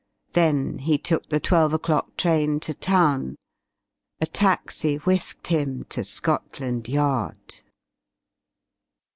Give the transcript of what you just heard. Then he took the twelve o'clock train to town. A taxi whisked him to Scotland Yard.